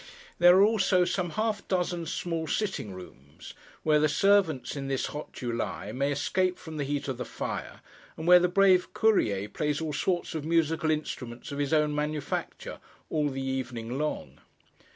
There are also some half dozen small sitting rooms, where the servants in this hot July, may escape from the heat of the fire, and where the brave Courier plays all sorts of musical instruments of his own manufacture, all the evening long.